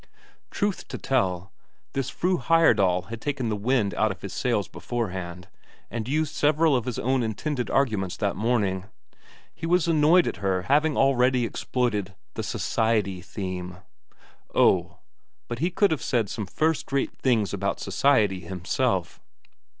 Truth to tell, this Fru Heyerdahl had taken the wind out of his sails beforehand, and used several of his own intended arguments that morning; he was annoyed at her having already exploited the "society" theme oh, but he could have said some first rate things about society himself.